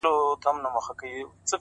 ما ستا لپاره په خزان کي هم کرل گلونه ـ